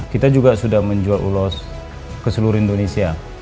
kita juga sudah menjual ulos ke seluruh indonesia